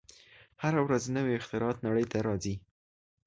هره ورځ نوې اختراعات نړۍ ته راځي.